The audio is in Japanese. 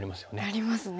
なりますね。